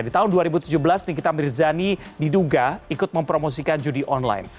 di tahun dua ribu tujuh belas nikita mirzani diduga ikut mempromosikan judi online